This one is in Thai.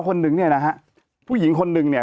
คนหนึ่งเนี่ยนะฮะผู้หญิงคนนึงเนี่ย